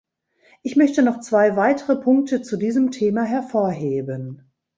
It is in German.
Ich möchte noch zwei weitere Punkte zu diesem Thema hervorheben.